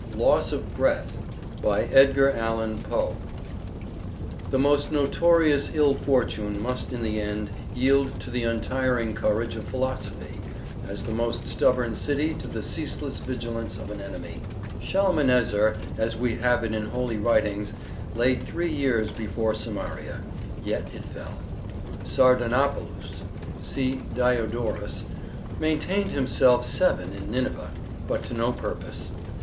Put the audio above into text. LOSS OF BREATH O breathe not, etc. —Moore's Melodies The most notorious ill fortune must in the end yield to the untiring courage of philosophy—as the most stubborn city to the ceaseless vigilance of an enemy. Shalmanezer, as we have it in holy writings, lay three years before Samaria; yet it fell. Sardanapalus—see Diodorus—maintained himself seven in Nineveh; but to no purpose.